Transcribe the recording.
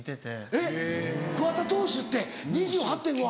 えっ桑田投手って２８．５ｃｍあんの？